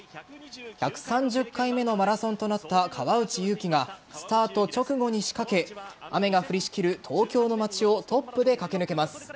１３０回目のマラソンとなった川内優輝がスタート直後に仕掛け雨が降りしきる東京の街をトップで駆け抜けます。